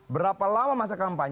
berapa lama masa kampanye